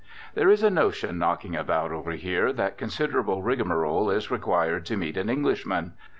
There is a notion knocking about over here that considerable rigmarole is required to meet an Englishman.